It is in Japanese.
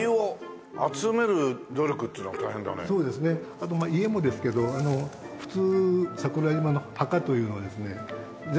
あと家もですけど普通桜島の墓というのはですね全部屋根がついてるんです。